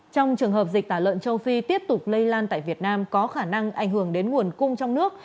trong trường hợp dịch tả lợn châu phi tiếp tục lây lan tại việt nam có khả năng ảnh hưởng đến nguồn cung trong nước